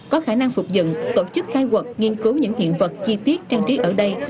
có khả năng phục dựng tổ chức khai quật nghiên cứu những hiện vật chi tiết trang trí ở đây